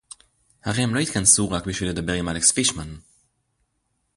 הרי הם לא התכנסו רק בשביל לדבר עם אלכס פישמן